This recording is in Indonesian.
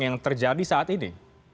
yang terjadi saat ini